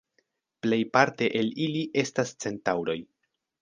Plejparte el ili estas Centaŭroj.